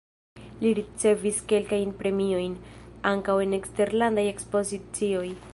Li ricevis kelkajn premiojn, ankaŭ en eksterlandaj ekspozicioj.